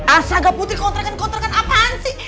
astaga putri kontrakan kontrakan apaan sih